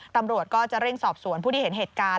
ตำรวจก็จะเร่งสอบสวนผู้ที่เห็นเหตุการณ์